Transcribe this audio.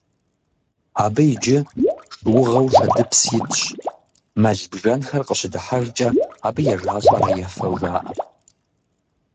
Абы иджы шыугъэу шэдыпс итщ, мэл-бжэнхэр къыщыдыхьэжкӏэ абы ежалӏэрэ ефэу жаӏэ.